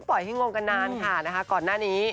ไปเดินกินข้าวต้มข้าวต้มข้างถนนก็มี